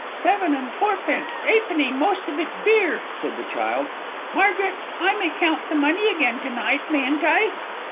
"Seven and fourpence 'ap'ny most of it beer," said the child. "Margaret, I may count the money again to night, mayn't I?"